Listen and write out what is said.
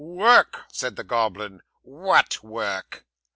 '"Work!" said the goblin, "what work?"